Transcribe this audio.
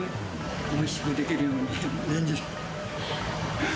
おいしくできるように念じて。